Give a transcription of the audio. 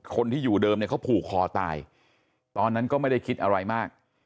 คนที่อยู่เดิมเนี่ยเขาผูกคอตายตอนนั้นก็ไม่ได้คิดอะไรมาก